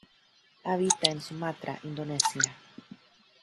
Habita en Sumatra, Indonesia.